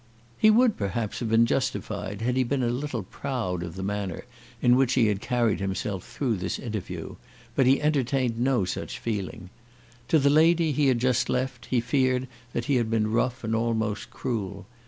He would perhaps have been justified had he been a little proud of the manner in which he had carried himself through this interview; but he entertained no such feeling. To the lady he had just left he feared that he had been rough and almost cruel.